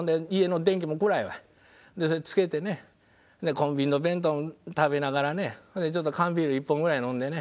コンビニの弁当食べながらねちょっと缶ビール１本ぐらい飲んでね。